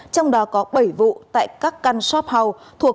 trong đó có bảy vụ